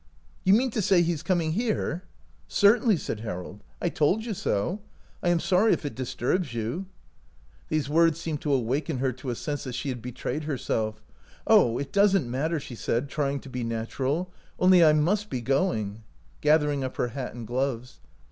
"You mean to say he is coming here ?"" Certainly," said Harold. " I told you so. I am sorry if it disturbs you." "5 OUT OF BOHEMIA These words seemed to awaken her to a sense that she had betrayed herself. " Oh, it does n't matter," she said, trying to be natural, "only I must be going," gathering up her hat and gloves.